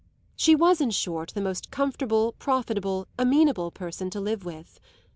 She was in short the most comfortable, profitable, amenable person to live with.